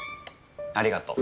ありがと。